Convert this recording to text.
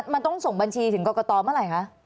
มันต้องส่งบัญชีถึงกรกตเมื่อไหร่คะ